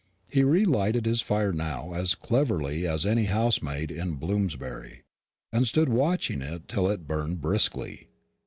He relighted his fire now as cleverly as any housemaid in Bloomsbury, and stood watching it till it burned briskly.